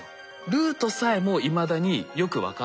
ルートさえもいまだによく分かってなくて。